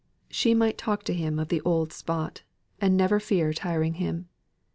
She might talk to him of the old spot, and never feared tiring him.